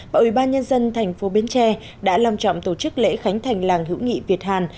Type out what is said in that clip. và ủy ban nhân dân thành phố bến tre đã lòng trọng tổ chức lễ khánh thành làng hữu nghị việt hàn